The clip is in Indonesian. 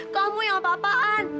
kamu yang apa apaan